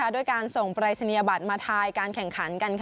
ด้วยการส่งปรายศนียบัตรมาทายการแข่งขันกัน